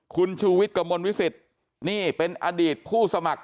คุณชูวิทย์กระมวลวิสิตนี่เป็นอดีตผู้สมัคร